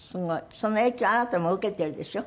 その影響をあなたも受けているでしょ？